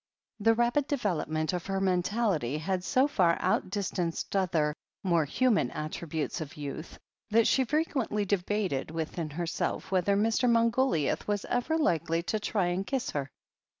The rapid development of her mentality had so far out distanced other, more human attributes of youth, that she frequently debated within herself whether Mr. Margoliouth was ever likely to try and kiss her.